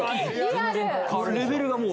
レベルがもう。